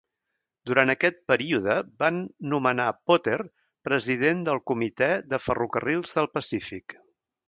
Durant aquest període, van nomenar Potter president del Comitè de Ferrocarrils del Pacífic.